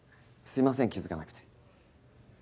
すいません気付かなくて。